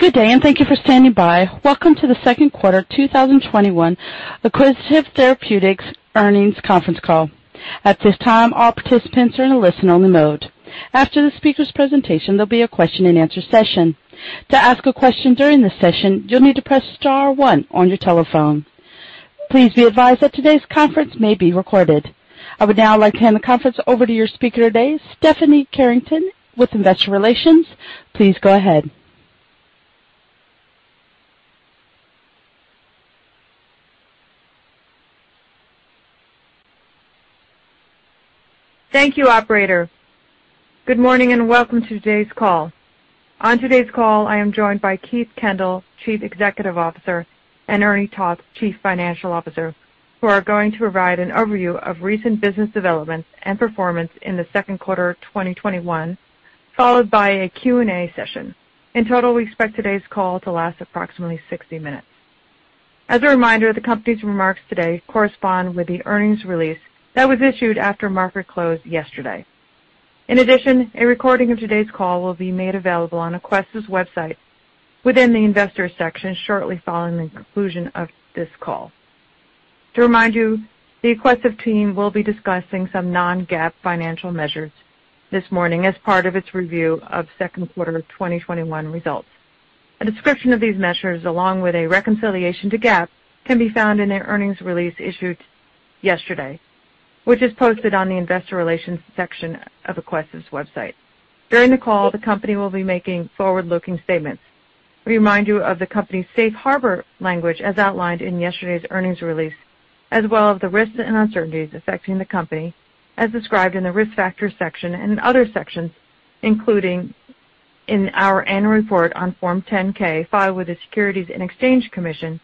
Good day, and thank you for standing by. Welcome to the second quarter 2021 Aquestive Therapeutics earnings conference call. At this time, all participants are in a listen-only mode. After the speaker's presentation, there'll be a question and answer session. To ask a question during the session, you'll need to press star one on your telephone. Please be advised that today's conference may be recorded. I would now like to hand the conference over to your speaker today, Stephanie Carrington with Investor Relations. Please go ahead. Thank you, operator. Good morning, welcome to today's call. On today's call, I am joined by Keith Kendall, Chief Executive Officer, and Ernie Toth, Jr., Chief Financial Officer, who are going to provide an overview of recent business developments and performance in the second quarter 2021, followed by a Q&A session. In total, we expect today's call to last approximately 60 minutes. As a reminder, the company's remarks today correspond with the earnings release that was issued after market close yesterday. A recording of today's call will be made available on Aquestive's website within the investor section shortly following the conclusion of this call. To remind you, the Aquestive team will be discussing some non-GAAP financial measures this morning as part of its review of second quarter 2021 results. A description of these measures, along with a reconciliation to GAAP, can be found in an earnings release issued yesterday, which is posted on the investor relations section of Aquestive's website. During the call, the company will be making forward-looking statements. We remind you of the company's safe harbor language as outlined in yesterday's earnings release, as well as the risks and uncertainties affecting the company as described in the Risk Factors section and in other sections, including in our annual report on Form 10-K filed with the Securities and Exchange Commission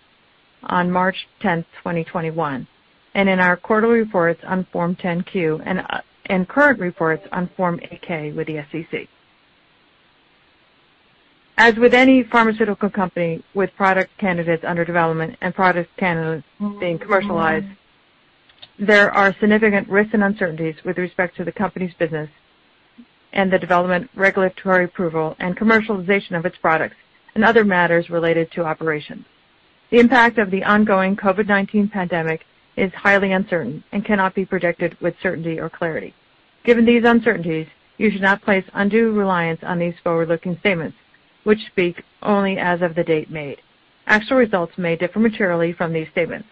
on March 10th, 2021, and in our quarterly reports on Form 10-Q and current reports on Form 8-K with the SEC. As with any pharmaceutical company with product candidates under development and product candidates being commercialized, there are significant risks and uncertainties with respect to the company's business and the development, regulatory approval, and commercialization of its products and other matters related to operations. The impact of the ongoing COVID-19 pandemic is highly uncertain and cannot be predicted with certainty or clarity. Given these uncertainties, you should not place undue reliance on these forward-looking statements, which speak only as of the date made. Actual results may differ materially from these statements.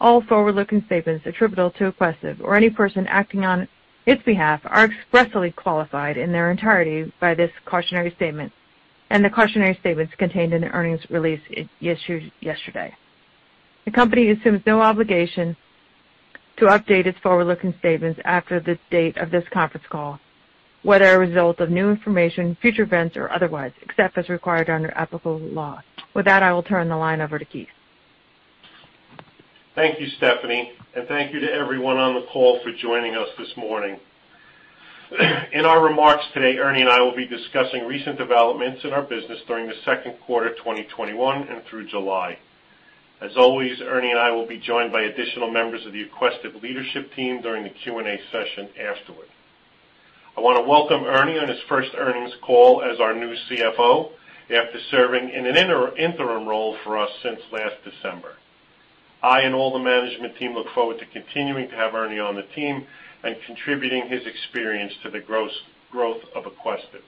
All forward-looking statements attributable to Aquestive or any person acting on its behalf are expressly qualified in their entirety by this cautionary statement and the cautionary statements contained in the earnings release issued yesterday. The company assumes no obligation to update its forward-looking statements after the date of this conference call, whether a result of new information, future events, or otherwise, except as required under applicable law. With that, I will turn the line over to Keith. Thank you, Stephanie. Thank you to everyone on the call for joining us this morning. In our remarks today, Ernie and I will be discussing recent developments in our business during the second quarter 2021 and through July. As always, Ernie and I will be joined by additional members of the Aquestive leadership team during the Q&A session afterward. I want to welcome Ernie on his first earnings call as our new CFO after serving in an interim role for us since last December. I and all the management team look forward to continuing to have Ernie on the team and contributing his experience to the growth of Aquestive.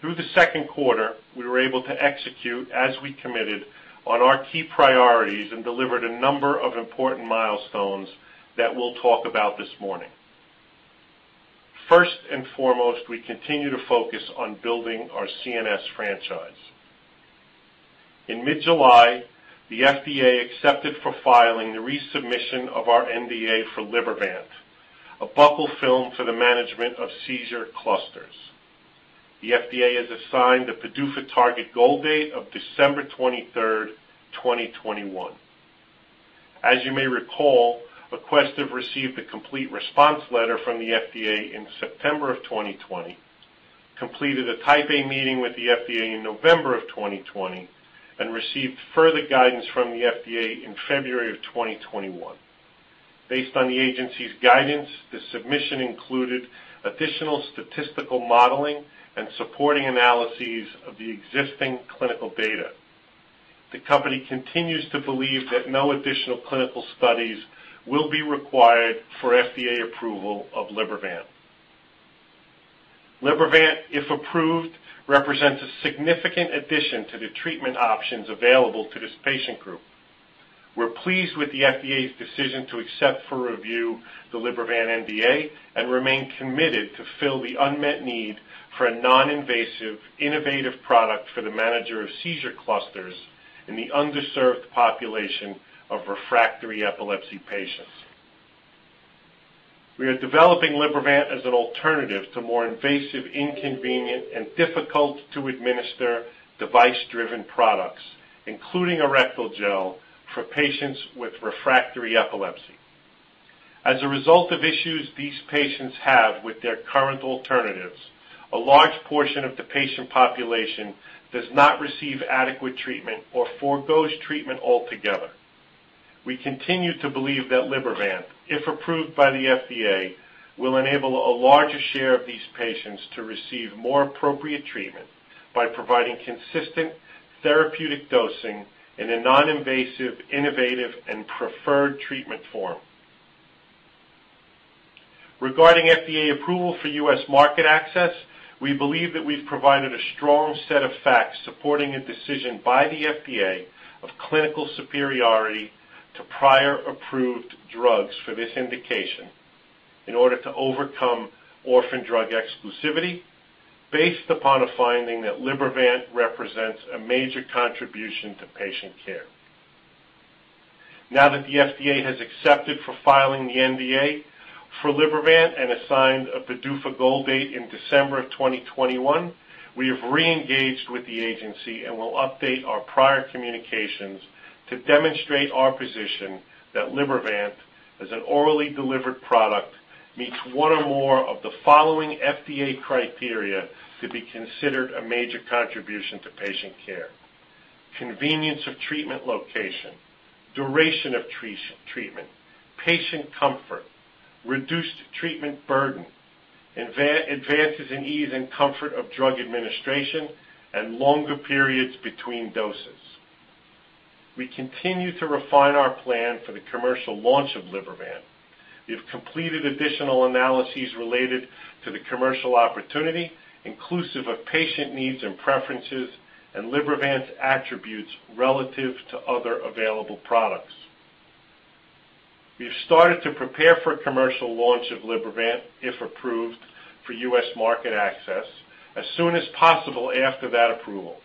Through the second quarter, we were able to execute as we committed on our key priorities and delivered a number of important milestones that we'll talk about this morning. First and foremost, we continue to focus on building our CNS franchise. In mid-July, the FDA accepted for filing the resubmission of our NDA for Libervant, a buccal film for the management of seizure clusters. The FDA has assigned a PDUFA target goal date of December 23rd, 2021. As you may recall, Aquestive received a complete response letter from the FDA in September of 2020, completed a Type A meeting with the FDA in November of 2020, and received further guidance from the FDA in February of 2021. Based on the agency's guidance, the submission included additional statistical modeling and supporting analyses of the existing clinical data. The company continues to believe that no additional clinical studies will be required for FDA approval of Libervant. Libervant, if approved, represents a significant addition to the treatment options available to this patient group. We're pleased with the FDA's decision to accept for review the Libervant NDA and remain committed to fill the unmet need for a non-invasive, innovative product for the management of seizure clusters in the underserved population of refractory epilepsy patients. We are developing Libervant as an alternative to more invasive, inconvenient, and difficult-to-administer device-driven products, including a rectal gel for patients with refractory epilepsy. As a result of issues these patients have with their current alternatives, a large portion of the patient population does not receive adequate treatment or forgoes treatment altogether. We continue to believe that Libervant, if approved by the FDA, will enable a larger share of these patients to receive more appropriate treatment by providing consistent therapeutic dosing in a non-invasive, innovative, and preferred treatment form. Regarding FDA approval for U.S. market access, we believe that we've provided a strong set of facts supporting a decision by the FDA of clinical superiority to prior approved drugs for this indication in order to overcome orphan drug exclusivity based upon a finding that Libervant represents a major contribution to patient care. Now that the FDA has accepted for filing the NDA for Libervant and assigned a PDUFA goal date in December of 2021, we have re-engaged with the agency and will update our prior communications to demonstrate our position that Libervant, as an orally delivered product, meets one or more of the following FDA criteria to be considered a major contribution to patient care. Convenience of treatment location, duration of treatment, patient comfort, reduced treatment burden, advances in ease and comfort of drug administration, and longer periods between doses. We continue to refine our plan for the commercial launch of Libervant. We have completed additional analyses related to the commercial opportunity, inclusive of patient needs and preferences, and Libervant's attributes relative to other available products. We have started to prepare for a commercial launch of Libervant, if approved for U.S. market access, as soon as possible after that approval.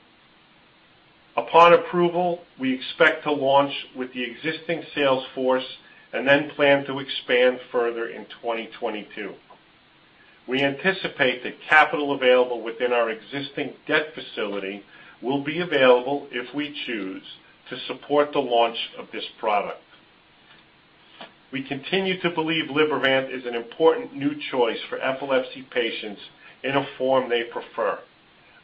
Upon approval, we expect to launch with the existing sales force and then plan to expand further in 2022. We anticipate that capital available within our existing debt facility will be available, if we choose, to support the launch of this product. We continue to believe Libervant is an important new choice for epilepsy patients in a form they prefer.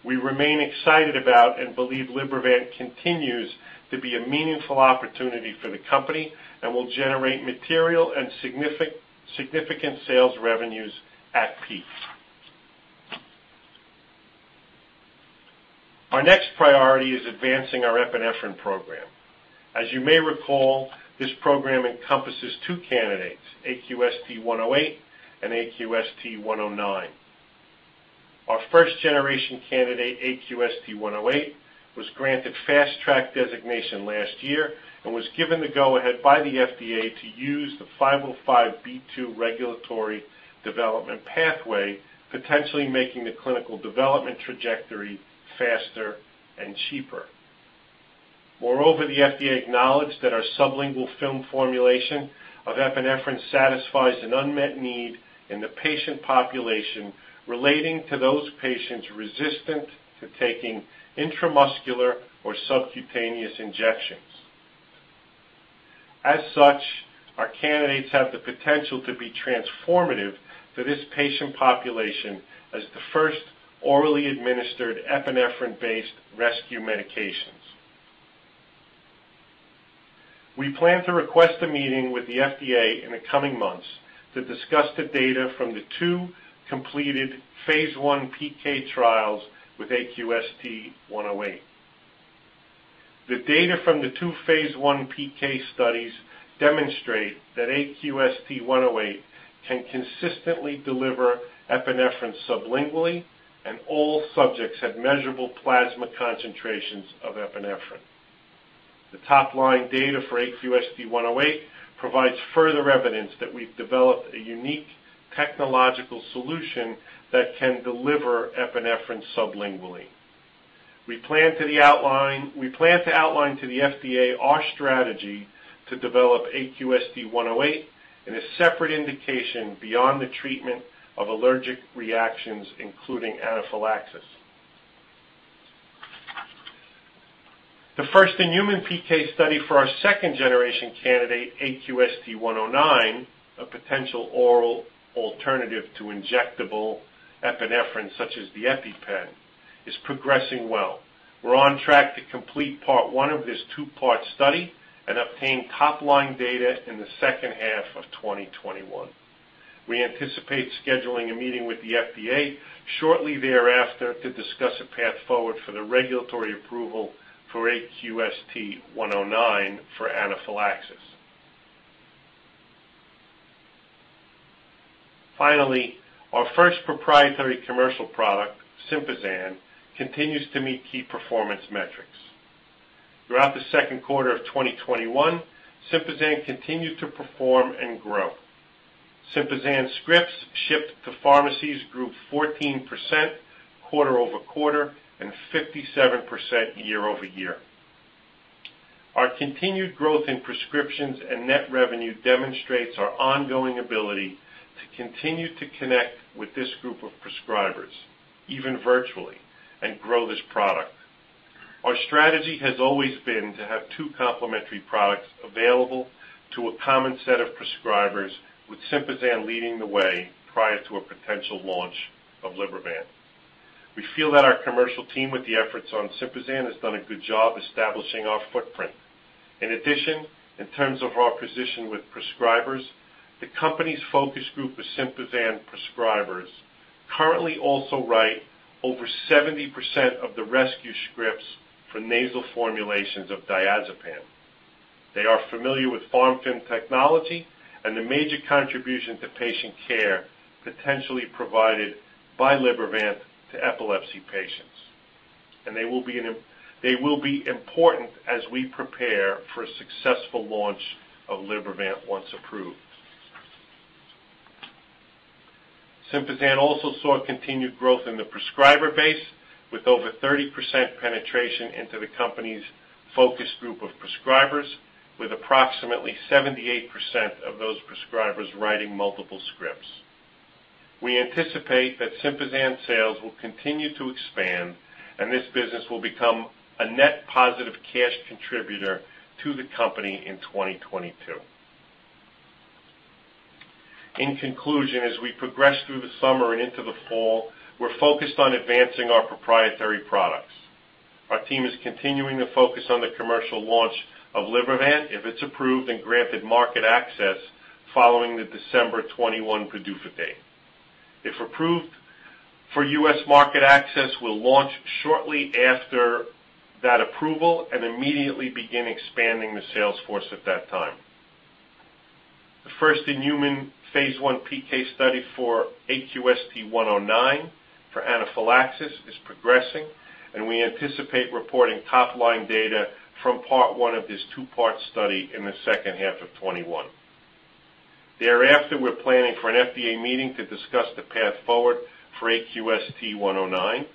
We remain excited about and believe Libervant continues to be a meaningful opportunity for the company and will generate material and significant sales revenues at peak. Our next priority is advancing our epinephrine program. As you may recall, this program encompasses two candidates, AQST-108 and AQST-109. Our first-generation candidate, AQST-108, was granted Fast Track designation last year and was given the go-ahead by the FDA to use the 505(b)(2) regulatory development pathway, potentially making the clinical development trajectory faster and cheaper. Moreover, the FDA acknowledged that our sublingual film formulation of epinephrine satisfies an unmet need in the patient population relating to those patients resistant to taking intramuscular or subcutaneous injections. As such, our candidates have the potential to be transformative for this patient population as the first orally administered epinephrine-based rescue medications. We plan to request a meeting with the FDA in the coming months to discuss the data from the two completed phase I PK trials with AQST-108. The data from the two phase I PK studies demonstrate that AQST-108 can consistently deliver epinephrine sublingually, and all subjects had measurable plasma concentrations of epinephrine. The top-line data for AQST-108 provides further evidence that we've developed a unique technological solution that can deliver epinephrine sublingually. We plan to outline to the FDA our strategy to develop AQST-108 in a separate indication beyond the treatment of allergic reactions, including anaphylaxis. The first-in-human PK study for our second-generation candidate, AQST-109, a potential oral alternative to injectable epinephrine, such as the EpiPen, is progressing well. We're on track to complete part one of this two-part study and obtain top-line data in the second half of 2021. We anticipate scheduling a meeting with the FDA shortly thereafter to discuss a path forward for the regulatory approval for AQST-109 for anaphylaxis. Finally, our first proprietary commercial product, Sympazan, continues to meet key performance metrics. Throughout the second quarter of 2021, Sympazan continued to perform and grow. Sympazan scripts shipped to pharmacies grew 14% quarter-over-quarter and 57% year-over-year. Our continued growth in prescriptions and net revenue demonstrates our ongoing ability to continue to connect with this group of prescribers, even virtually, and grow this product. Our strategy has always been to have two complementary products available to a common set of prescribers with Sympazan leading the way prior to a potential launch of Libervant. We feel that our commercial team, with the efforts on Sympazan, has done a good job establishing our footprint. In addition, in terms of our position with prescribers, the company's focus group of Sympazan prescribers currently also write over 70% of the rescue scripts for nasal formulations of diazepam. They are familiar with PharmFilm technology and the major contribution to patient care potentially provided by Libervant to epilepsy patients, and they will be important as we prepare for a successful launch of Libervant once approved. Sympazan also saw continued growth in the prescriber base, with over 30% penetration into the company's focus group of prescribers, with approximately 78% of those prescribers writing multiple scripts. We anticipate that Sympazan sales will continue to expand, and this business will become a net positive cash contributor to the company in 2022. In conclusion, as we progress through the summer and into the fall, we're focused on advancing our proprietary products. Our team is continuing to focus on the commercial launch of Libervant if it's approved and granted market access following the December 2021 PDUFA date. If approved for U.S. market access, we'll launch shortly after that approval and immediately begin expanding the sales force at that time. The first-in-human phase I PK study for AQST-109 for anaphylaxis is progressing, and we anticipate reporting top-line data from part one of this two-part study in the second half of 2021. Thereafter, we're planning for an FDA meeting to discuss the path forward for AQST-109,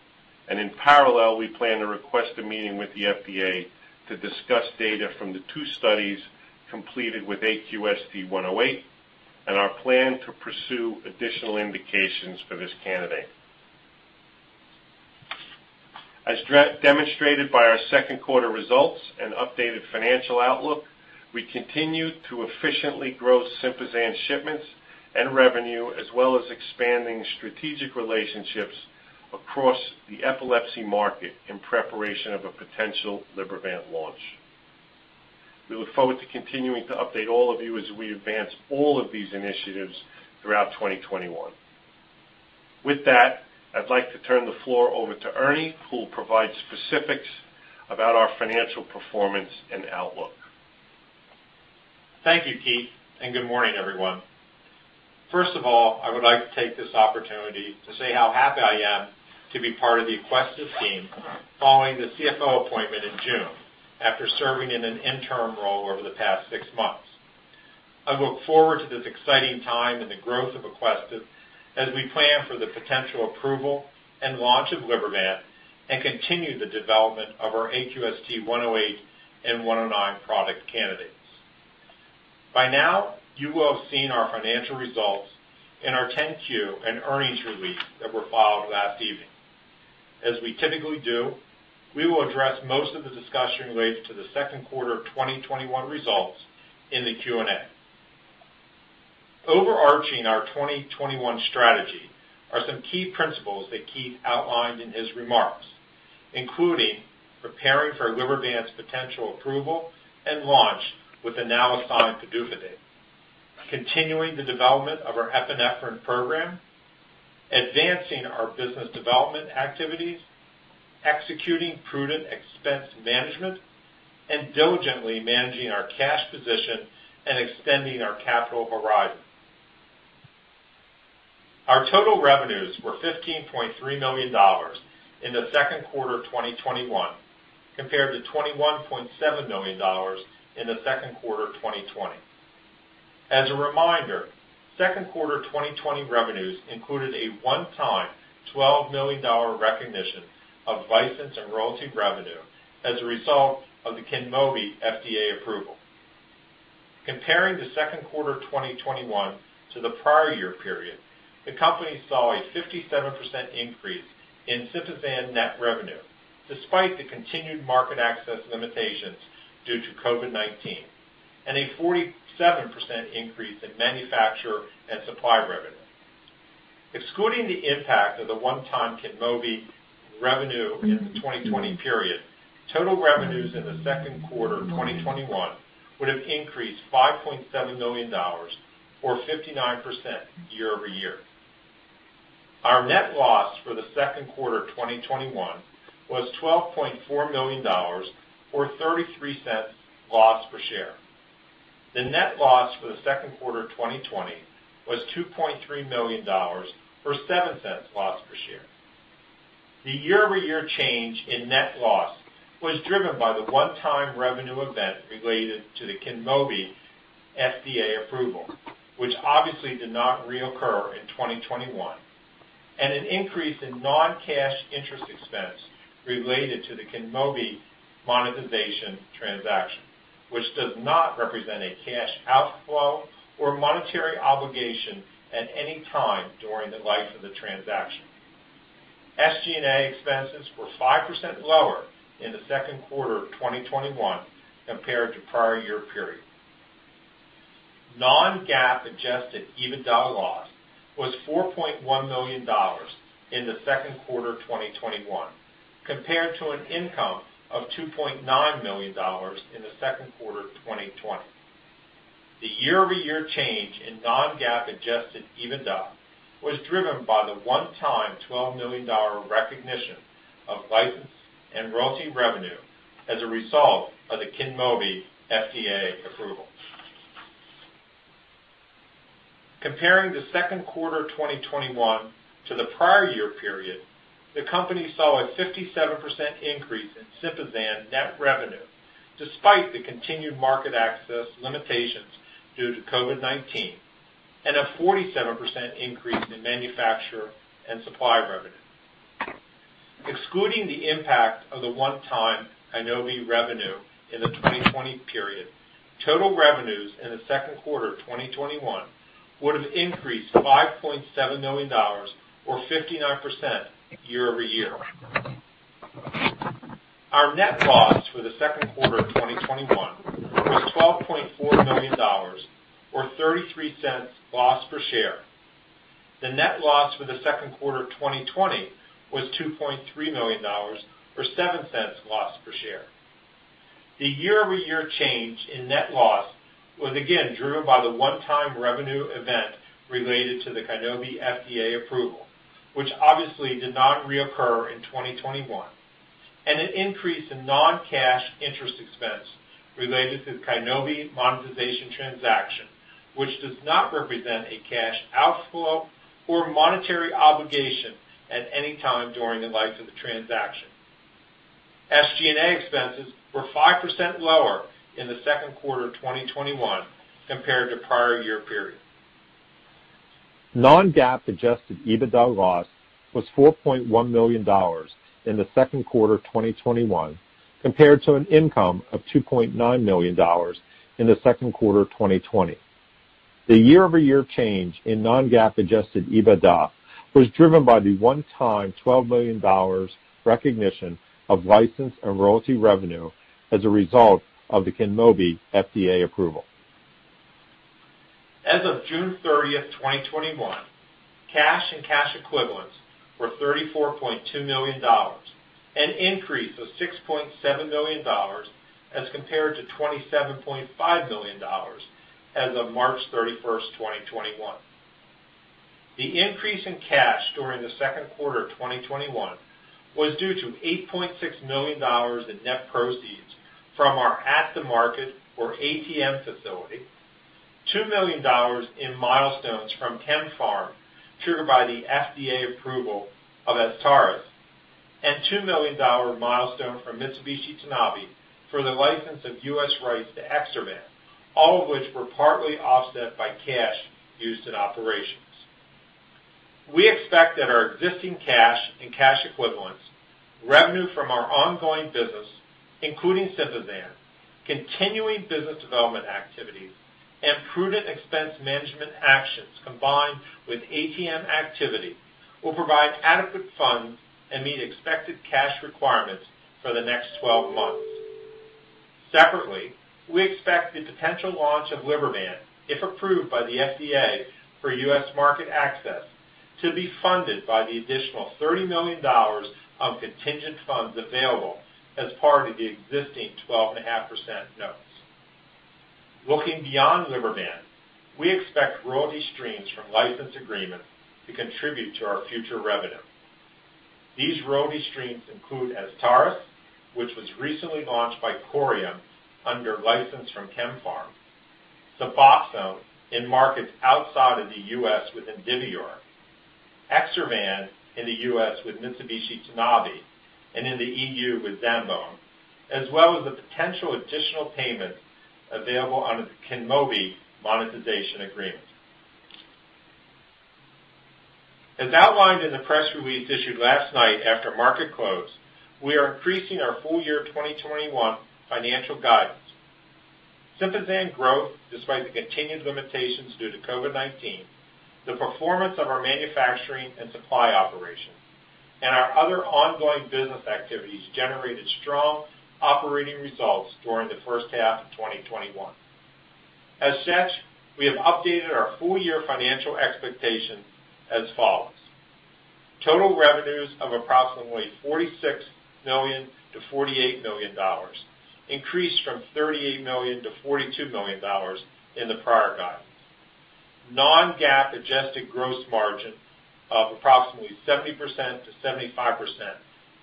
and in parallel, we plan to request a meeting with the FDA to discuss data from the two studies completed with AQST-108 and our plan to pursue additional indications for this candidate. As demonstrated by our second quarter results and updated financial outlook, we continue to efficiently grow Sympazan shipments and revenue, as well as expanding strategic relationships across the epilepsy market in preparation of a potential Libervant launch. We look forward to continuing to update all of you as we advance all of these initiatives throughout 2021. With that, I'd like to turn the floor over to Ernie, who will provide specifics about our financial performance and outlook. Thank you, Keith, and good morning, everyone. First of all, I would like to take this opportunity to say how happy I am to be part of the Aquestive team following the CFO appointment in June after serving in an interim role over the past six months. I look forward to this exciting time in the growth of Aquestive as we plan for the potential approval and launch of Libervant and continue the development of our AQST-108 and AQST-109 product candidates. By now, you will have seen our financial results in our 10-Q and earnings release that were filed last evening. As we typically do, we will address most of the discussion related to the second quarter of 2021 results in the Q&A. Overarching our 2021 strategy are some key principles that Keith outlined in his remarks, including preparing for Libervant's potential approval and launch with the now assigned PDUFA date, continuing the development of our epinephrine program, advancing our business development activities, executing prudent expense management, and diligently managing our cash position and extending our capital horizon. Our total revenues were $15.3 million in the second quarter of 2021, compared to $21.7 million in the second quarter of 2020. As a reminder, second quarter 2020 revenues included a one-time $12 million recognition of license and royalty revenue as a result of the KYNMOBI FDA approval. Comparing the second quarter of 2021 to the prior year period, the company saw a 57% increase in Sympazan net revenue, despite the continued market access limitations due to COVID-19, and a 47% increase in manufacture and supply revenue. Excluding the impact of the one-time KYNMOBI revenue in the 2020 period, total revenues in the second quarter of 2021 would have increased $5.7 million or 59% year-over-year. Our net loss for the second quarter of 2021 was $12.4 million or $0.33 loss per share. The net loss for the second quarter of 2020 was $2.3 million or $0.07 loss per share. The year-over-year change in net loss was driven by the one-time revenue event related to the KYNMOBI FDA approval, which obviously did not reoccur in 2021, and an increase in non-cash interest expense related to the KYNMOBI monetization transaction, which does not represent a cash outflow or monetary obligation at any time during the life of the transaction. SG&A expenses were 5% lower in the second quarter of 2021 compared to prior year period. Non-GAAP adjusted EBITDA loss was $4.1 million in the second quarter 2021, compared to an income of $2.9 million in the second quarter of 2020. The year-over-year change in non-GAAP adjusted EBITDA was driven by the one-time $12 million recognition of license and royalty revenue as a result of the KYNMOBI FDA approval. Comparing the second quarter 2021 to the prior year period, the company saw a 57% increase in Sympazan net revenue, despite the continued market access limitations due to COVID-19, and a 47% increase in manufacturer and supply revenue. Excluding the impact of the one-time KYNMOBI revenue in the 2020 period, total revenues in the second quarter of 2021 would have increased $5.7 million or 59% year-over-year. Our net loss for the second quarter of 2021 was $12.4 million or $0.33 loss per share. The net loss for the second quarter of 2020 was $2.3 million or $0.07 loss per share. The year-over-year change in net loss was again driven by the one-time revenue event related to the KYNMOBI FDA approval, which obviously did not reoccur in 2021, and an increase in non-cash interest expense related to the KYNMOBI monetization transaction, which does not represent a cash outflow or monetary obligation at any time during the life of the transaction. SG&A expenses were 5% lower in the second quarter of 2021 compared to prior year period. Non-GAAP adjusted EBITDA loss was $4.1 million in the second quarter 2021, compared to an income of $2.9 million in the second quarter of 2020. The year-over-year change in non-GAAP adjusted EBITDA was driven by the one-time $12 million recognition of license and royalty revenue as a result of the KYNMOBI FDA approval. As of June 30th, 2021, cash and cash equivalents were $34.2 million, an increase of $6.7 million as compared to $27.5 million as of March 31st, 2021. The increase in cash during the second quarter of 2021 was due to $8.6 million in net proceeds from our at-the-market or ATM facility, $2 million in milestones from KemPharm triggered by the FDA approval of AZSTARYS, and $2 million milestone from Mitsubishi Tanabe for the license of U.S. rights to EXSERVAN, all of which were partly offset by cash used in operations. We expect that our existing cash and cash equivalents, revenue from our ongoing business, including Sympazan, continuing business development activities, and prudent expense management actions combined with ATM activity will provide adequate funds and meet expected cash requirements for the next 12 months. Separately, we expect the potential launch of Libervant, if approved by the FDA for U.S. market access, to be funded by the additional $30 million of contingent funds available as part of the existing 12.5% notes. Looking beyond Libervant, we expect royalty streams from license agreements to contribute to our future revenue. These royalty streams include AZSTARYS, which was recently launched by Corium under license from KemPharm, Suboxone in markets outside of the U.S. with Indivior, EXSERVAN in the U.S. with Mitsubishi Tanabe and in the EU with Zambon, as well as the potential additional payments available under the KYNMOBI monetization agreement. As outlined in the press release issued last night after market close, we are increasing our full year 2021 financial guidance. Sympazan growth, despite the continued limitations due to COVID-19, the performance of our manufacturing and supply operations, and our other ongoing business activities generated strong operating results during the first half of 2021. As such, we have updated our full year financial expectations as follows. Total revenues of approximately $46 million-$48 million, increased from $38 million-$42 million in the prior guidance. Non-GAAP adjusted gross margin of approximately 70%-75%,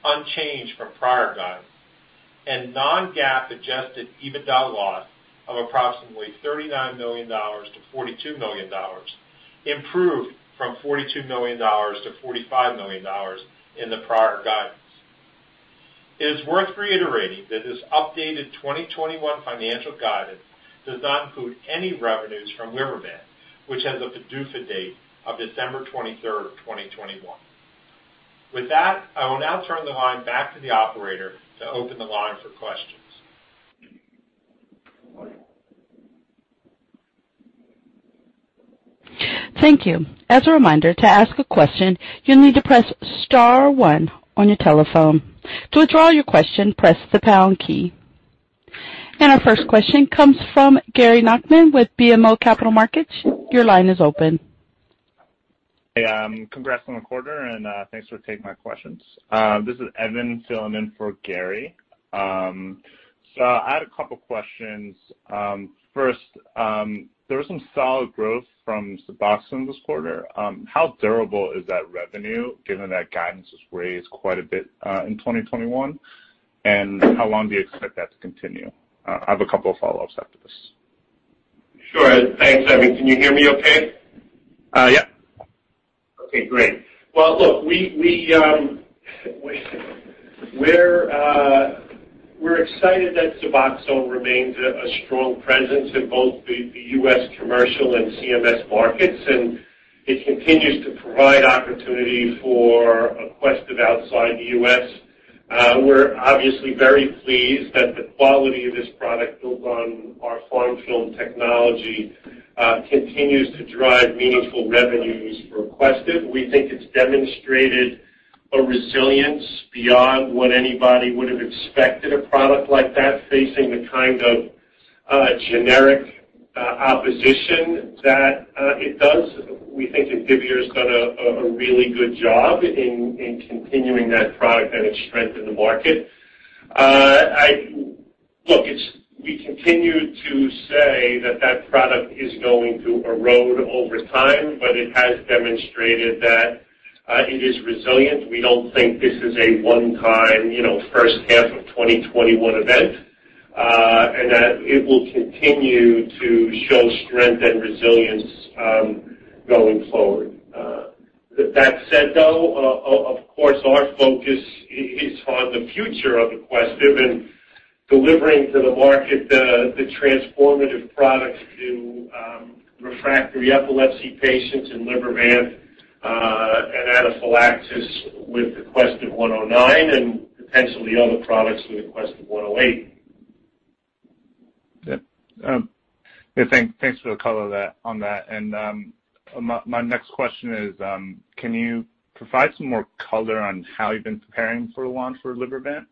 unchanged from prior guidance, and non-GAAP adjusted EBITDA loss of approximately $39 million-$42 million, improved from $42 million-$45 million in the prior guidance. It is worth reiterating that this updated 2021 financial guidance does not include any revenues from Libervant, which has a PDUFA date of December 23rd, 2021. With that, I will now turn the line back to the operator to open the line for questions. Thank you. As a reminder, to ask a question, you'll need to press star one on your telephone. To withdraw your question, press the pound key. Our first question comes from Gary Nachman with BMO Capital Markets. Your line is open. Hey. Congrats on the quarter. Thanks for taking my questions. This is Evan filling in for Gary. I had a couple questions. First, there was some solid growth from Suboxone this quarter. How durable is that revenue, given that guidance was raised quite a bit, in 2021? How long do you expect that to continue? I have a couple of follow-ups after this. Sure. Thanks, Evan. Can you hear me okay? Yeah. Okay, great. Well, look, we're excited that Suboxone remains a strong presence in both the U.S. commercial and CMS markets. It continues to provide opportunity for Aquestive outside the U.S. We're obviously very pleased that the quality of this product built on our PharmFilm technology continues to drive meaningful revenues for Aquestive. We think it's demonstrated a resilience beyond what anybody would have expected a product like that facing the kind of generic opposition that it does. We think that Indivior's done a really good job in continuing that product and its strength in the market. Look, we continue to say that that product is going to erode over time. It has demonstrated that it is resilient. We don't think this is a one-time first half of 2021 event. It will continue to show strength and resilience going forward. Our focus is on the future of Aquestive and delivering to the market the transformative products to refractory epilepsy patients and Libervant and anaphylaxis with the AQST-109 and potentially other products with the AQST-108. Yeah. Thanks for the color on that. My next question is, can you provide some more color on how you've been preparing for the launch for Libervant,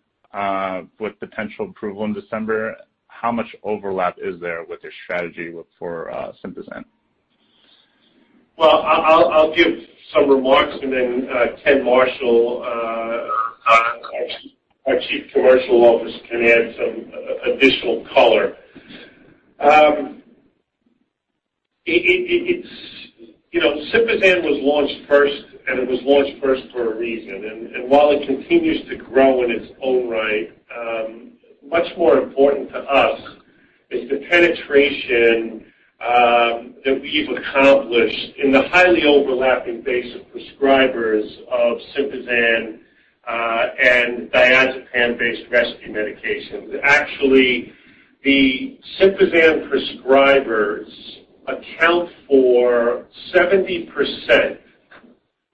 with potential approval in December? How much overlap is there with your strategy for Sympazan? I'll give some remarks and then Ken Marshall, our Chief Commercial Officer, can add some additional color. Sympazan was launched first, and it was launched first for a reason. While it continues to grow in its own right, much more important to us is the penetration that we've accomplished in the highly overlapping base of prescribers of Sympazan and diazepam-based rescue medications. Actually, the Sympazan prescribers account for 70%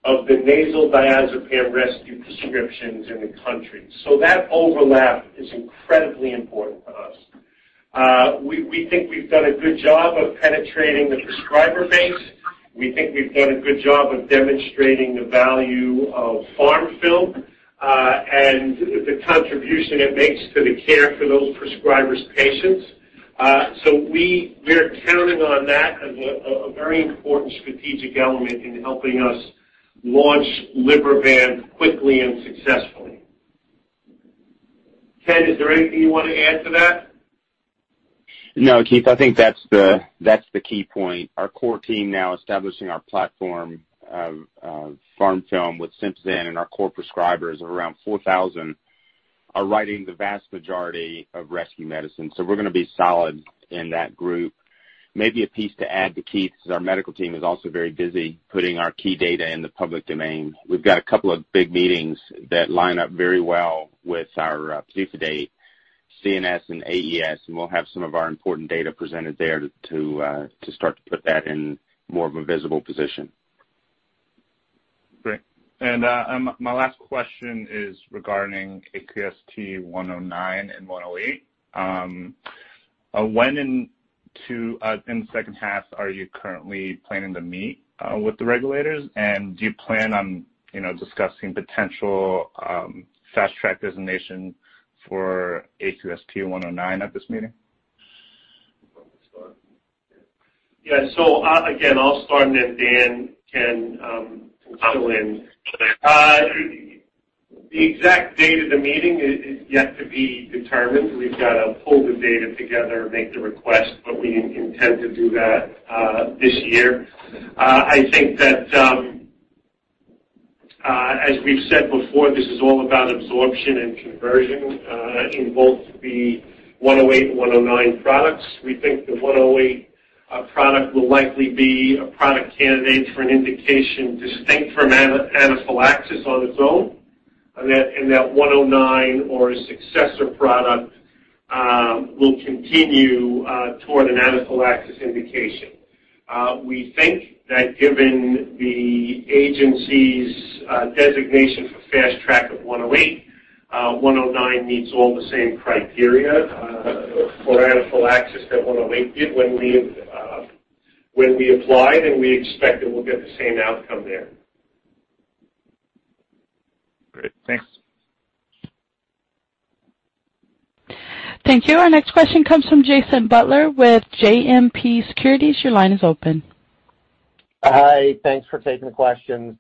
of the nasal diazepam rescue prescriptions in the country. That overlap is incredibly important to us. We think we've done a good job of penetrating the prescriber base. We think we've done a good job of demonstrating the value of PharmFilm, and the contribution it makes to the care for those prescribers' patients. We're counting on that as a very important strategic element in helping us launch Libervant quickly and successfully. Ken, is there anything you want to add to that? No, Keith, I think that's the key point. Our core team now establishing our platform of PharmFilm with Sympazan and our core prescribers of around 4,000 are writing the vast majority of rescue medicine. We're going to be solid in that group. Maybe a piece to add to Keith's is our medical team is also very busy putting our key data in the public domain. We've got a couple of big meetings that line up very well with our PDUFA date, CNS and AES, and we'll have some of our important data presented there to start to put that in more of a visible position. Great. My last question is regarding AQST-109 and AQST-108. When in the second half are you currently planning to meet with the regulators? Do you plan on discussing potential Fast Track designation for AQST-109 at this meeting? Yeah. Again, I'll start, and then Dan can fill in. The exact date of the meeting is yet to be determined. We've got to pull the data together and make the request, but we intend to do that this year. I think that, as we've said before, this is all about absorption and conversion, in both the AQST-108 and AQST-109 products. We think the AQST-108 product will likely be a product candidate for an indication distinct from anaphylaxis on its own, and that AQST-109 or a successor product will continue toward an anaphylaxis indication. We think that given the agency's designation for Fast Track of AQST-108, AQST-109 meets all the same criteria for anaphylaxis that AQST-108 did when we applied, and we expect that we'll get the same outcome there. Great. Thanks. Thank you. Our next question comes from Jason Butler with JMP Securities. Your line is open. Hi. Thanks for taking the questions.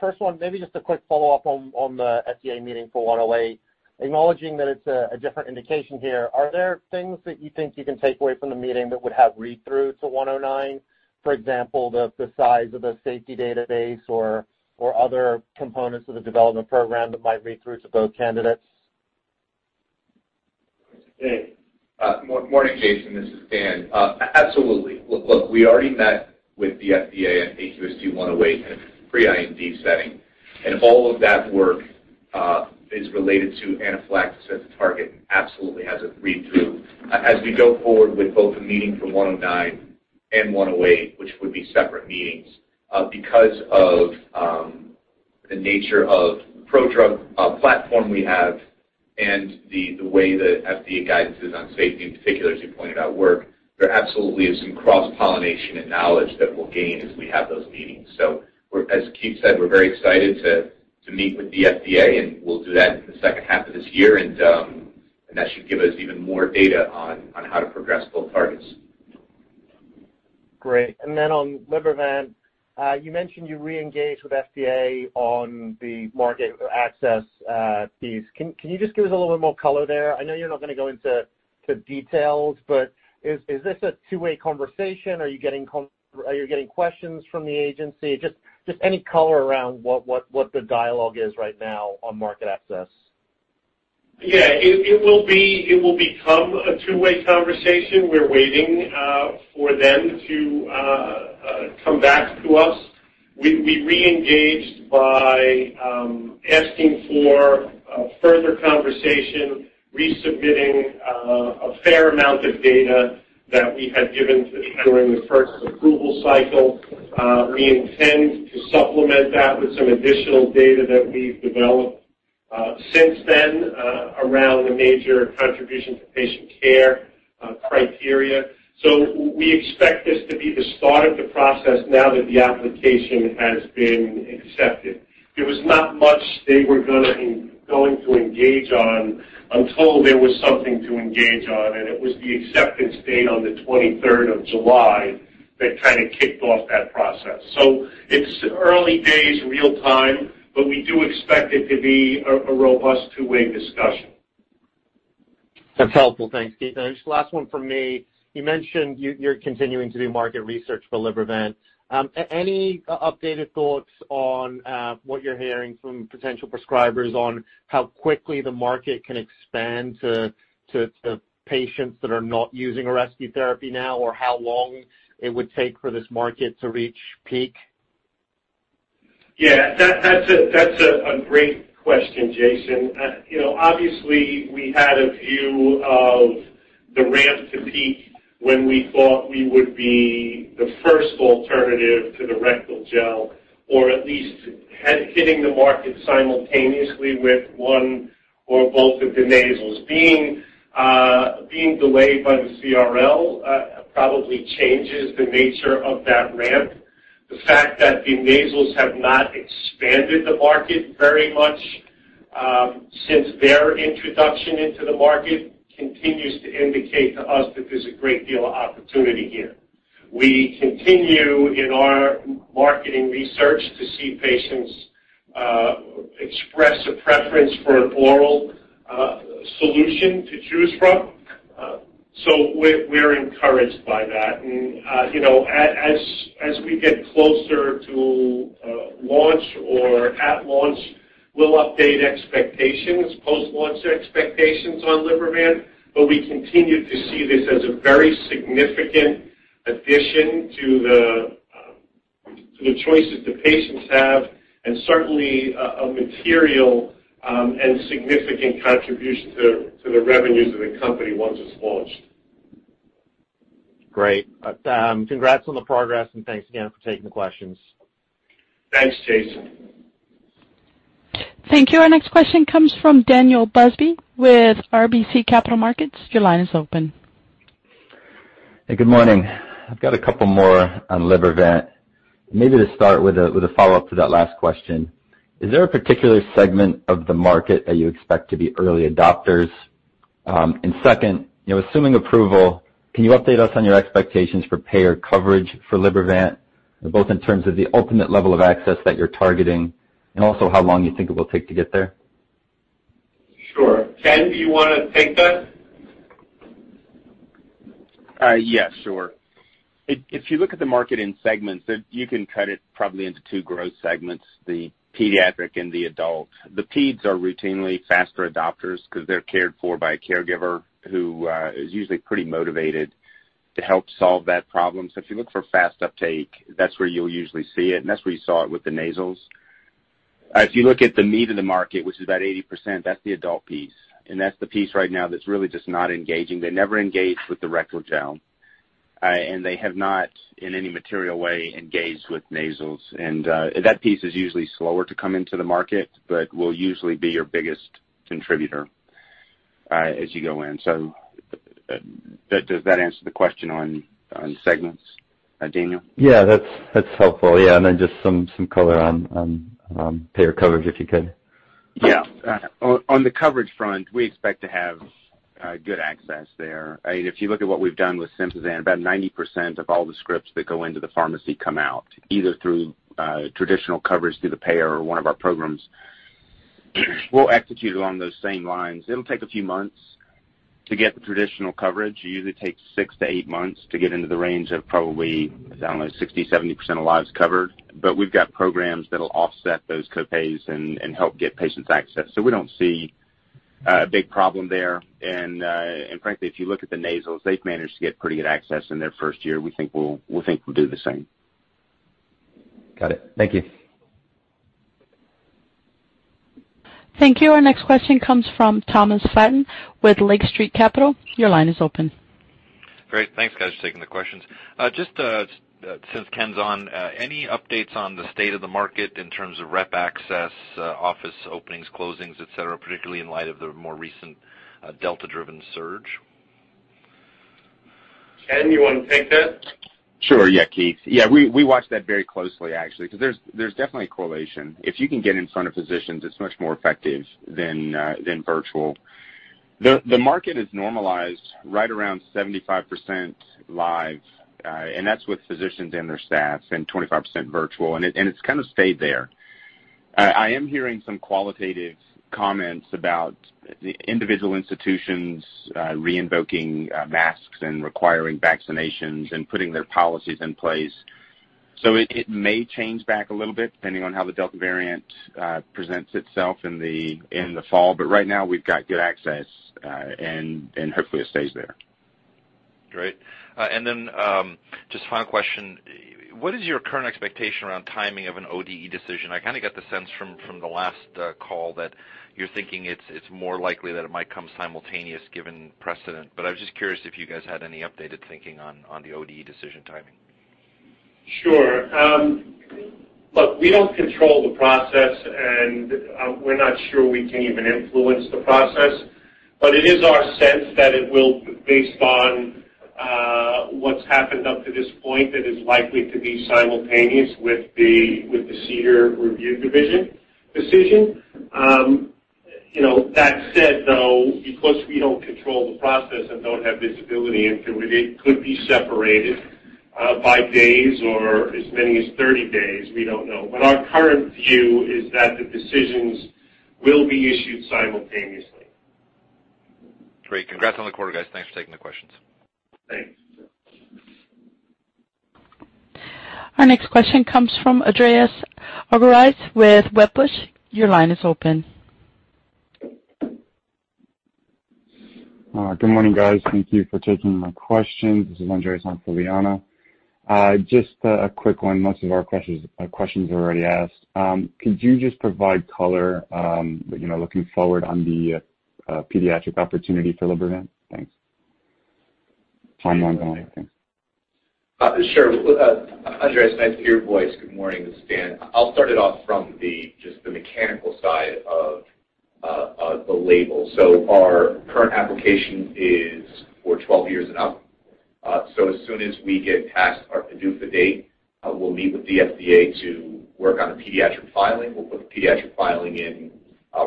First one, maybe just a quick follow-up on the FDA meeting for AQST-108. Acknowledging that it is a different indication here, are there things that you think you can take away from the meeting that would have read-through to AQST-109? For example, the size of the safety database or other components of the development program that might read through to both candidates? Morning, Jason. This is Dan. Absolutely. Look, we already met with the FDA on AQST-108 in a pre-IND setting, and all of that work is related to anaphylaxis as a target and absolutely has a read-through. We go forward with both a meeting for AQST-109 and AQST-108, which would be separate meetings. Of the nature of the prodrug platform we have and the way the FDA guidance is on safety in particular, as you pointed out, work, there absolutely is some cross-pollination and knowledge that we'll gain as we have those meetings. As Keith said, we're very excited to meet with the FDA, and we'll do that in the second half of this year, and that should give us even more data on how to progress both targets. Great. Then on Libervant, you mentioned you reengaged with FDA on the market access piece. Can you just give us a little bit more color there? I know you're not going to go into details, but is this a two-way conversation? Are you getting questions from the agency? Just any color around what the dialogue is right now on market access. It will become a two-way conversation. We're waiting for them to come back to us. We reengaged by asking for a further conversation, resubmitting a fair amount of data that we had given to them during the first approval cycle. We intend to supplement that with some additional data that we've developed since then around the major contribution to patient care criteria. We expect this to be the start of the process now that the application has been accepted. There was not much they were going to engage on until there was something to engage on, and it was the acceptance date on the 23rd of July that kicked off that process. It's early days real-time, but we do expect it to be a robust two-way discussion. That's helpful. Thanks, Keith. Just last one from me. You mentioned you're continuing to do market research for Libervant. Any updated thoughts on what you're hearing from potential prescribers on how quickly the market can expand to patients that are not using a rescue therapy now, or how long it would take for this market to reach peak? Yeah. That's a great question, Jason. Obviously, we had a view of the ramp to peak when we thought we would be the first alternative to the rectal gel, or at least hitting the market simultaneously with one or both of the nasals. Being delayed by the CRL probably changes the nature of that ramp. The fact that the nasals have not expanded the market very much since their introduction into the market continues to indicate to us that there's a great deal of opportunity here. We continue in our marketing research to see patients express a preference for an oral solution to choose from. We're encouraged by that. As we get closer to launch or at launch, we'll update post-launch expectations on Libervant. We continue to see this as a very significant addition to the choices that patients have, and certainly a material and significant contribution to the revenues of the company once it's launched. Great. Congrats on the progress. Thanks again for taking the questions. Thanks, Jason. Thank you. Our next question comes from Daniel Busby with RBC Capital Markets. Your line is open. Hey, good morning. I've got a couple more on Libervant. Maybe to start with a follow-up to that last question. Is there a particular segment of the market that you expect to be early adopters? Second, assuming approval, can you update us on your expectations for payer coverage for Libervant, both in terms of the ultimate level of access that you're targeting and also how long you think it will take to get there? Sure. Ken, do you want to take that? Yeah, sure. If you look at the market in segments, you can cut it probably into two growth segments, the pediatric and the adult. The peds are routinely faster adopters because they're cared for by a caregiver who is usually pretty motivated to help solve that problem. If you look for fast uptake, that's where you'll usually see it, and that's where you saw it with the nasals. If you look at the meat of the market, which is about 80%, that's the adult piece, and that's the piece right now that's really just not engaging. They never engaged with the rectal gel. They have not, in any material way, engaged with nasals. That piece is usually slower to come into the market but will usually be your biggest contributor as you go in. Does that answer the question on segments, Daniel? Yeah. That's helpful. Yeah, just some color on payer coverage, if you could. Yeah. On the coverage front, we expect to have good access there. If you look at what we've done with Sympazan, about 90% of all the scripts that go into the pharmacy come out, either through traditional coverage through the payer or one of our programs. We'll execute along those same lines. It'll take a few months to get the traditional coverage. It usually takes six to eight months to get into the range of probably, I don't know, 60%, 70% of lives covered. We've got programs that'll offset those co-pays and help get patients access. We don't see a big problem there. Frankly, if you look at the nasals, they've managed to get pretty good access in their first year. We think we'll do the same. Got it. Thank you. Thank you. Our next question comes from Thomas Flaten with Lake Street Capital. Your line is open. Great. Thanks, guys, for taking the questions. Just since Ken's on, any updates on the state of the market in terms of rep access, office openings, closings, et cetera, particularly in light of the more recent Delta-driven surge? Ken, you want to take that? Sure. Yeah, Keith. Yeah, we watch that very closely actually, because there's definitely a correlation. If you can get in front of physicians, it's much more effective than virtual. The market has normalized right around 75% live, and that's with physicians and their staffs, and 25% virtual, and it's kind of stayed there. I am hearing some qualitative comments about individual institutions re-invoking masks and requiring vaccinations and putting their policies in place. It may change back a little bit depending on how the Delta variant presents itself in the fall. Right now, we've got good access, and hopefully it stays there. Great. Just final question. What is your current expectation around timing of an ODE decision? I kind of got the sense from the last call that you're thinking it's more likely that it might come simultaneous given precedent. I was just curious if you guys had any updated thinking on the ODE decision timing. Sure. Look, we don't control the process, and we're not sure we can even influence the process. It is our sense that it will, based on what's happened up to this point, that is likely to be simultaneous with the CDER review division decision. That said, though, because we don't control the process and don't have visibility into it could be separated by days or as many as 30 days, we don't know. Our current view is that the decisions will be issued simultaneously. Great. Congrats on the quarter, guys. Thanks for taking the questions. Thanks. Our next question comes from Andreas Argyrides with Wedbush. Your line is open. Good morning, guys. Thank you for taking my questions. This is Andreas on for Liana. Just a quick one. Most of our questions were already asked. Could you just provide color, looking forward on the pediatric opportunity for Libervant? Thanks. Timeline going? Thanks. Sure. Andreas, nice to hear your voice. Good morning. This is Dan. I'll start it off from just the mechanical side of the label. Our current application is for 12 years and up. As soon as we get past our PDUFA date, we'll meet with the FDA to work on a pediatric filing. We'll put the pediatric filing in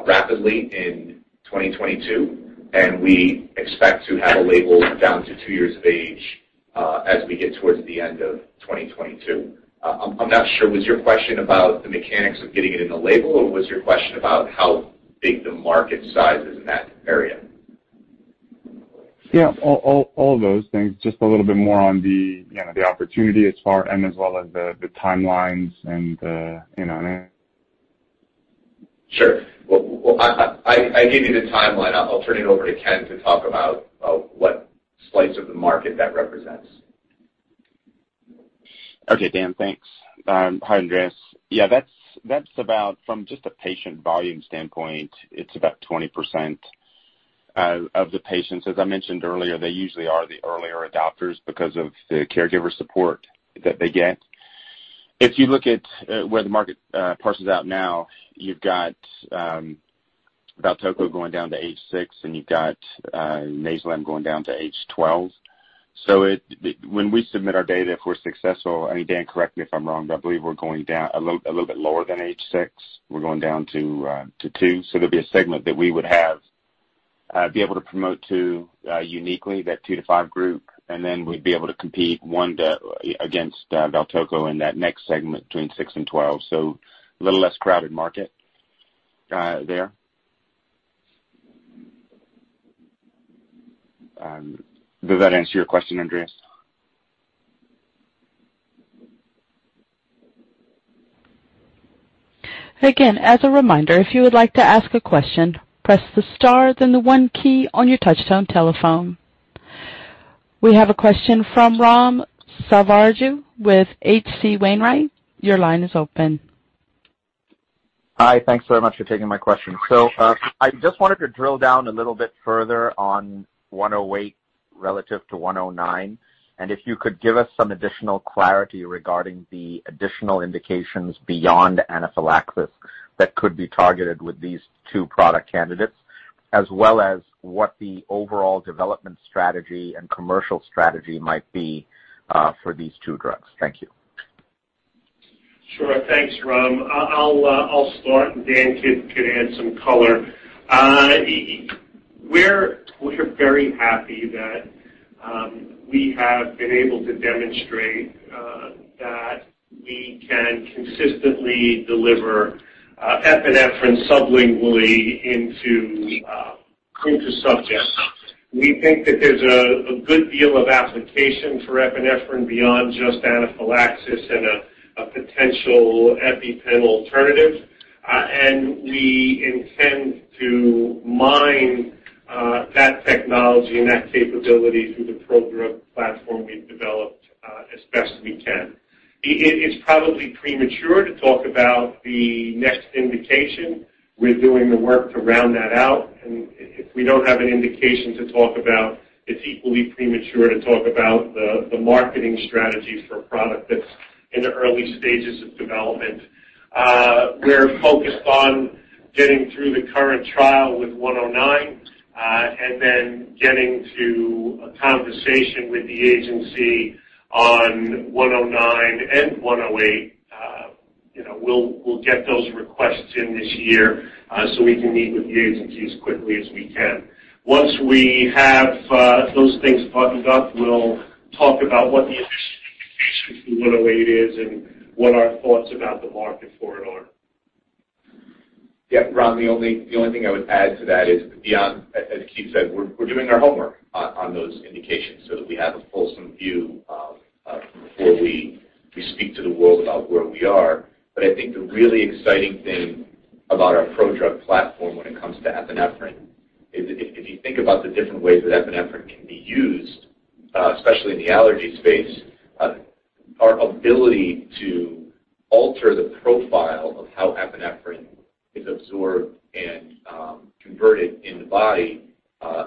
rapidly in 2022, and we expect to have a label down to two years of age as we get towards the end of 2022. I'm not sure, was your question about the mechanics of getting it in the label, or was your question about how big the market size is in that area? Yeah. All of those things. Just a little bit more on the opportunity as far, and as well as the timelines. Sure. Well, I gave you the timeline. I'll turn it over to Ken to talk about what slice of the market that represents. Okay. Dan, thanks. Hi, Andreas. Yeah, that's about, from just a patient volume standpoint, it's about 20% of the patients. As I mentioned earlier, they usually are the earlier adopters because of the caregiver support that they get. If you look at where the market parses out now, you've got Valtoco going down to age six, and you've got NAYZILAM going down to age 12. When we submit our data, if we're successful, I mean, Dan, correct me if I'm wrong, but I believe we're going a little bit lower than age six. We're going down to two. There'll be a segment that we would be able to promote to uniquely, that two to five group, and then we'd be able to compete, one, against Valtoco in that next segment between 6 and 12. A little less crowded market there. Does that answer your question, Andreas? As a reminder, if you would like to ask a question, press the star then the one key on your touchtone telephone. We have a question from Ram Selvaraju with H.C. Wainwright. Your line is open. Hi. Thanks very much for taking my question. I just wanted to drill down a little bit further on AQST-108 relative to AQST-109, and if you could give us some additional clarity regarding the additional indications beyond anaphylaxis that could be targeted with these two product candidates, as well as what the overall development strategy and commercial strategy might be for these two drugs. Thank you. Thanks, Ram. I'll start, and Dan can add some color. We're very happy that we have been able to demonstrate that we can consistently deliver epinephrine sublingually into subjects. We think that there's a good deal of application for epinephrine beyond just anaphylaxis and a potential EpiPen alternative. We intend to mine that technology and that capability through the prodrug platform we've developed as best we can. It's probably premature to talk about the next indication. We're doing the work to round that out, and if we don't have an indication to talk about, it's equally premature to talk about the marketing strategy for a product that's in the early stages of development. We're focused on getting through the current trial with AQST-109 and then getting to a conversation with the agency on AQST-109 and AQST-108. We'll get those requests in this year so we can meet with the agency as quickly as we can. Once we have those things buttoned up, we'll talk about what the AQST-108 is and what our thoughts about the market for it are. Yeah, Ram, the only thing I would add to that is beyond, as Keith said, we're doing our homework on those indications so that we have a fulsome view before we speak to the world about where we are. I think the really exciting thing about our prodrug platform when it comes to epinephrine is if you think about the different ways that epinephrine can be used, especially in the allergy space, our ability to alter the profile of how epinephrine is absorbed and converted in the body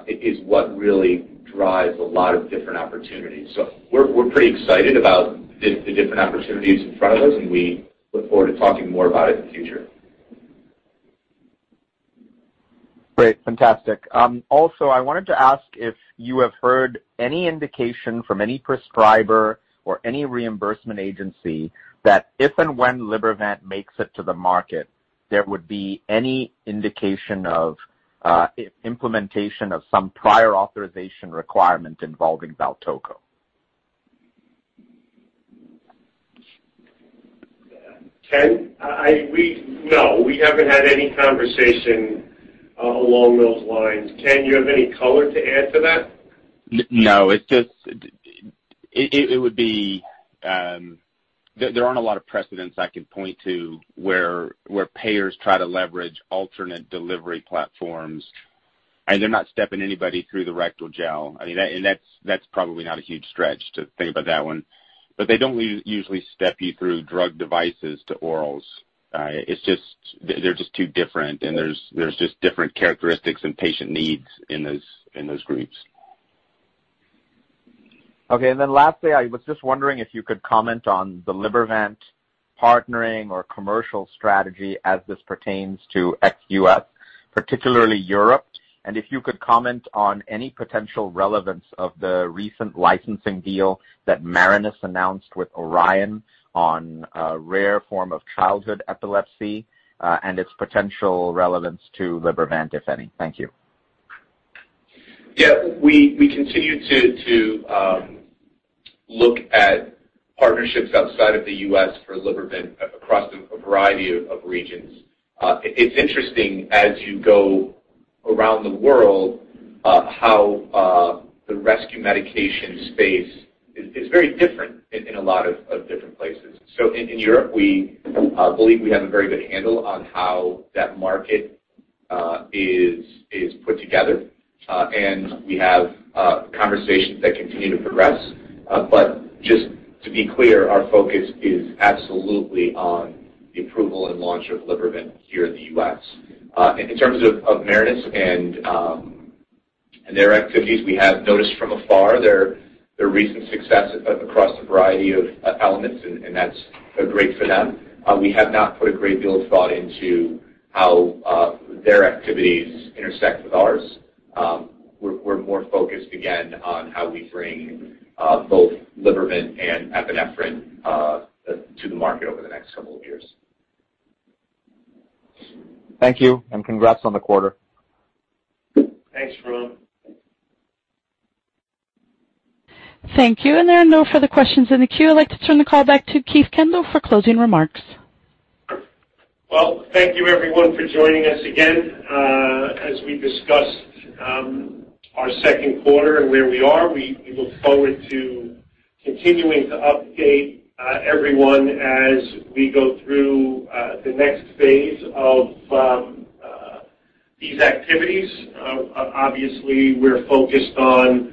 is what really drives a lot of different opportunities. We're pretty excited about the different opportunities in front of us, and we look forward to talking more about it in the future. Great. Fantastic. Also, I wanted to ask if you have heard any indication from any prescriber or any reimbursement agency that if and when Libervant makes it to the market, there would be any indication of implementation of some prior authorization requirement involving Valtoco. Ken? No, we haven't had any conversation along those lines. Ken, do you have any color to add to that? No. There aren't a lot of precedents I can point to where payers try to leverage alternate delivery platforms. They're not stepping anybody through the rectal gel. That's probably not a huge stretch to think about that one. They don't usually step you through drug devices to orals. They're just too different, and there's just different characteristics and patient needs in those groups. Okay. Lastly, I was just wondering if you could comment on the Libervant partnering or commercial strategy as this pertains to ex-U.S., particularly Europe. If you could comment on any potential relevance of the recent licensing deal that Marinus announced with Orion on a rare form of childhood epilepsy and its potential relevance to Libervant, if any. Thank you. We continue to look at partnerships outside of the U.S. for Libervant across a variety of regions. It's interesting as you go around the world how the rescue medication space is very different in a lot of different places. In Europe, we believe we have a very good handle on how that market is put together. We have conversations that continue to progress. Just to be clear, our focus is absolutely on the approval and launch of Libervant here in the U.S. In terms of Marinus and their activities, we have noticed from afar their recent success across a variety of elements, and that's great for them. We have not put a great deal of thought into how their activities intersect with ours. We're more focused, again, on how we bring both Libervant and epinephrine to the market over the next couple of years. Thank you, and congrats on the quarter. Thanks, Ram. Thank you. There are no further questions in the queue. I'd like to turn the call back to Keith Kendall for closing remarks. Well, thank you everyone for joining us again. As we discussed our second quarter and where we are, we look forward to continuing to update everyone as we go through the next phase of these activities. Obviously, we're focused on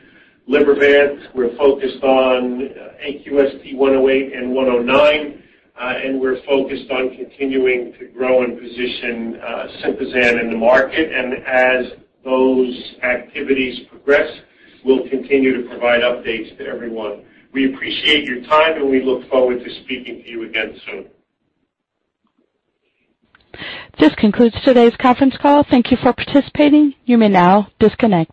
Libervant, we're focused on AQST-108 and AQST-109, and we're focused on continuing to grow and position Sympazan in the market. As those activities progress, we'll continue to provide updates to everyone. We appreciate your time, and we look forward to speaking to you again soon. This concludes today's conference call. Thank you for participating. You may now disconnect.